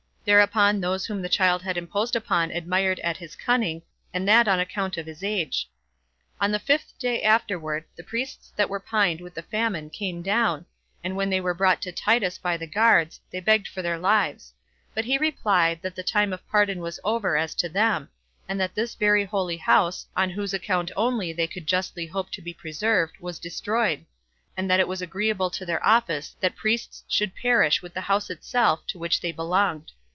Hereupon those whom the child had imposed upon admired at his cunning, and that on account of his age. On the fifth day afterward, the priests that were pined with the famine came down, and when they were brought to Titus by the guards, they begged for their lives; but he replied, that the time of pardon was over as to them, and that this very holy house, on whose account only they could justly hope to be preserved, was destroyed; and that it was agreeable to their office that priests should perish with the house itself to which they belonged.